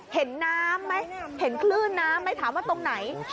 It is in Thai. เห็นน้ำไหมเห็นคลื่นน้ำไหมถามว่าตรงไหน